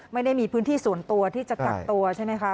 ไม่ได้มีพื้นที่ส่วนตัวที่จะกักตัวใช่ไหมคะ